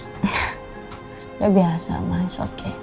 udah biasa ma it's okay